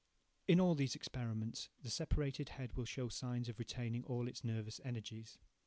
In all these experiments the separated head will show signs of retaining all its nervous energies.